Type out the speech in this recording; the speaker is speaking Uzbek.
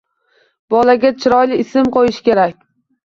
Bolaga chiroyli ism qoʻyish kerak.